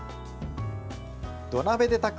土鍋で炊く！